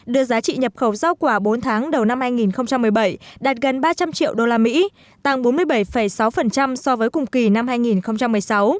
đưa giá trị nhập khẩu giao quả bốn tháng đầu năm hai nghìn một mươi bảy đạt gần ba trăm linh triệu usd tăng bốn mươi bảy sáu so với cùng kỳ năm hai nghìn một mươi sáu